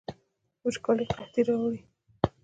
وچکالي قحطي راوړي